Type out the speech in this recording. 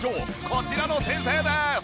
こちらの先生です。